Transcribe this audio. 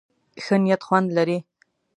ښه نيت خوند لري.